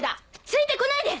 ついて来ないで！